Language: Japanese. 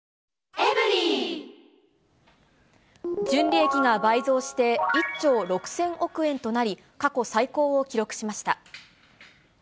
純利益が倍増して１兆６０００億円となり、過去最高を記録しました。